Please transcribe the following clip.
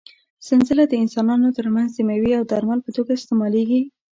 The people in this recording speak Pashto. سنځله د انسانانو تر منځ د مېوې او درمل په توګه استعمالېږي.